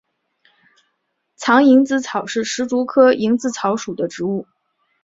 藏蝇子草是石竹科蝇子草属的植物。